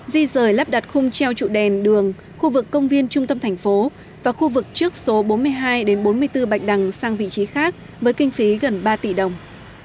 di rời lắp đặt khung treo trụ đèn đường khu vực công viên trung tâm thành phố và khu vực trước số bốn mươi hai bốn mươi bốn bạch đằng sang vị trí khác với kinh phí gần ba tỷ đồng